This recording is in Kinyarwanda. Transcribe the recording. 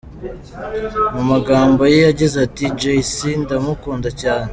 Mu magambo ye yagize ati “Jay C, ndamukunda cyane.